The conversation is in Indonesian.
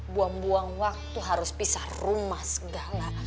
buang buang waktu harus pisah rumah segala